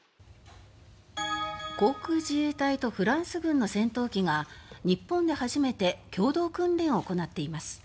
航空自衛隊とフランス軍の戦闘機が日本で初めて共同訓練を行っています。